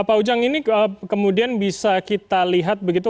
pak ujang ini kemudian bisa kita lihat begitu